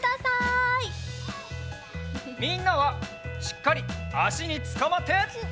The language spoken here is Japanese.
みんなはしっかりあしにつかまって！